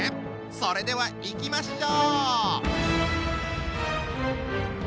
それではいきましょう！